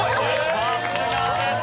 さすがです。